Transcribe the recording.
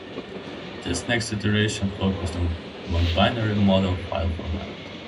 This next iteration focused on a binary model file format.